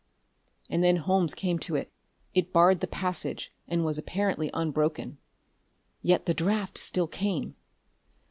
And then Holmes came to it. It barred the passage, and was apparently unbroken. Yet the draft still came!